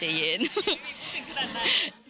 ไม่มีพูดถึงขนาดนั้น